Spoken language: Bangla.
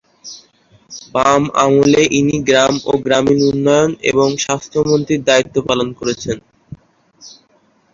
বাম আমলে ইনি গ্রাম ও গ্রামীণ উন্নয়ন এবং স্বাস্থ্য মন্ত্রীর দায়ীত্ব পালন করেছেন।